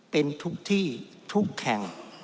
เป็นทุกที่ทุกแข่ง